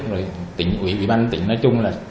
rồi tỉnh ủy ban tỉnh nói chung là